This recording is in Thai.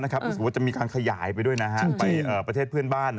มีอีสมมุติว่าจะมีการขยายไปด้วยประเทศเพื่อนบ้าน